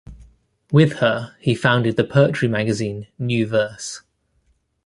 With her, he founded the poetry magazine "New Verse".